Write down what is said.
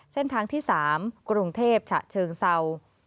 เส้นทางที่๓กรุงเทพฉะเชิงเศร้า